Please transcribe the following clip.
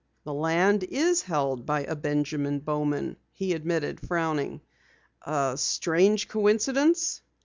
"The land is held by a Benjamin Bowman," he admitted, frowning. "A strange coincidence."